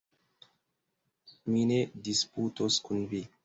Mi ne disputos kun vi.